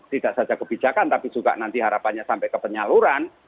tidak saja kebijakan tapi juga nanti harapannya sampai ke penyaluran